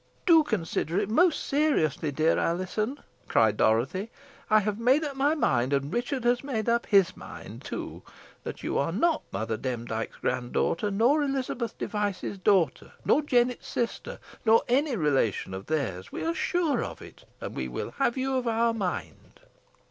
"Do consider it most seriously, dear Alizon," cried Dorothy. "I have made up my mind, and Richard has made up his mind, too, that you are not Mother Demdike's grand daughter, nor Elizabeth Device's daughter, nor Jennet's sister nor any relation of theirs. We are sure of it, and we will have you of our mind."